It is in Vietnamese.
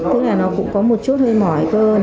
tức là nó cũng có một chút hơi mỏi cơ